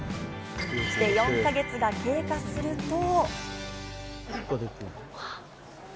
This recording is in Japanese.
来て４か月が経過すると。